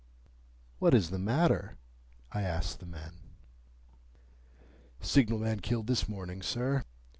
"What is the matter?" I asked the men. "Signal man killed this morning, sir."